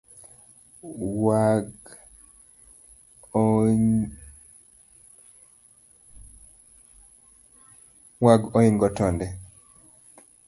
Yag ooingo tonde